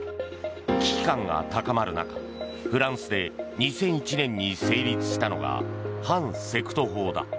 危機感が高まる中、フランスで２００１年に成立したのが反セクト法だ。